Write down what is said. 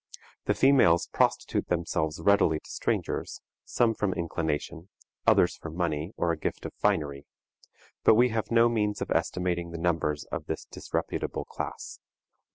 The females prostitute themselves readily to strangers, some from inclination, others for money or a gift of finery; but we have no means of estimating the numbers of this disreputable class.